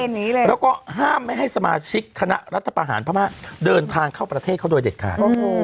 แล้วก็ห้ามไม่ให้สมาชิกคณะรัฐประหารพม่าเดินทางเข้าประเทศเขาโดยเด็ดขาด